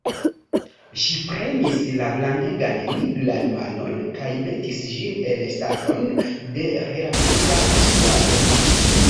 Ŝi prenis la grandegan nigran manon kaj metis ĝin en staton de relativa skuado.